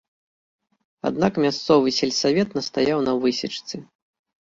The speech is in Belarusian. Аднак мясцовы сельсавет настаяў на высечцы.